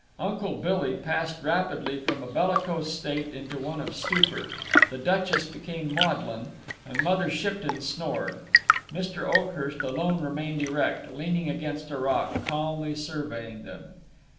Uncle Billy passed rapidly from a bellicose state into one of stupor, the Duchess became maudlin, and Mother Shipton snored. Mr. Oakhurst alone remained erect, leaning against a rock, calmly surveying them.